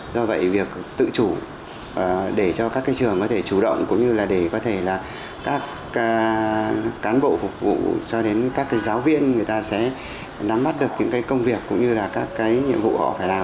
do vậy việc tự chủ để cho các trường có thể chủ động cũng như là để có thể là các cán bộ phục vụ cho đến các giáo viên người ta sẽ nắm bắt được những cái công việc cũng như là các cái nhiệm vụ họ phải làm